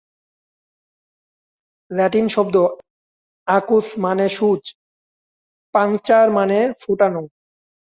Latin শব্দ ‘আকুস’ মানে সুচ, ‘পাঙ্কচার’ মানে ফোটানো।